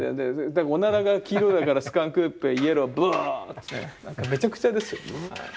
おならが黄色いからスカンクーぺイエローブワオーって何かめちゃくちゃですよね。